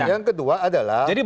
nah yang kedua adalah